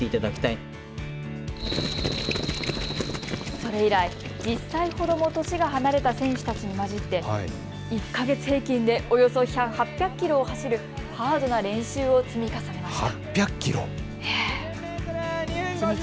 それ以来、１０歳ほども年が離れた選手たちに交じって１か月平均でおよそ８００キロを走るハードな練習を積み重ねました。